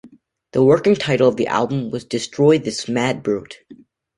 The working title of the album was Destroy This Mad Brute!